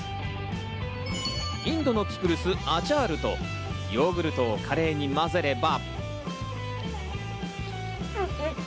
インドのピクルス、アチャールとヨーグルトをカレーに混ぜれば。